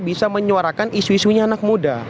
bisa menyuarakan isu isunya anak muda